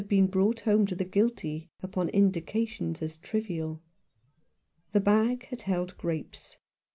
been brought home to the guilty upon indications as trivial. The bag had held grapes.